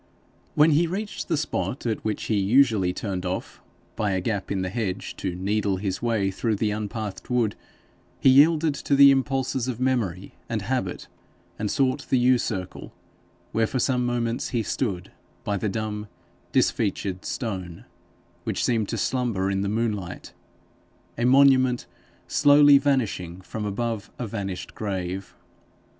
When he reached the spot at which he usually turned off by a gap in the hedge to NEEDLE his way through the unpathed wood, he yielded to the impulses of memory and habit, and sought the yew circle, where for some moments he stood by the dumb, disfeatured stone, which seemed to slumber in the moonlight, a monument slowly vanishing from above a vanished grave.